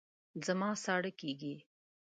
زما ساړه کېږي